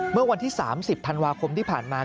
เมื่อวันที่๓๐ธันวาคมที่ผ่านมา